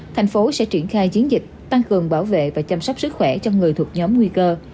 thành phố sẽ triển khai chiến dịch tăng cường bảo vệ và chăm sóc sức khỏe cho người thuộc nhóm nguy cơ